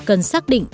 cần xác định